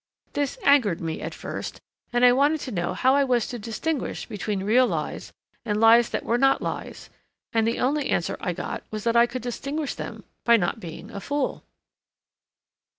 This angered me at first, and I wanted to know how I was to distinguish between real lies and lies that were not lies, and the only answer I got was that I could distinguish them by not being a fool!